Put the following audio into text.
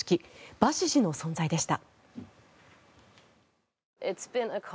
バシジの存在でした。